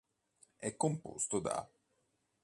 È composto da.